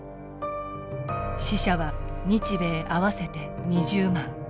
死者は日米合わせて２０万。